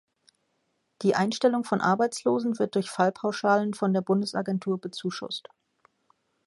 Die Einstellung von Arbeitslosen wird durch Fallpauschalen von der Bundesagentur bezuschusst.